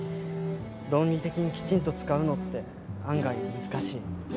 論理的にきちんと使うのって案外難しい。